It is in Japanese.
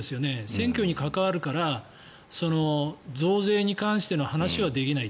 選挙に関わるから増税に関しての話はできない。